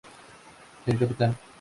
El capitán.